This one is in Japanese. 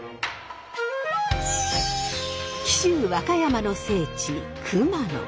紀州和歌山の聖地熊野。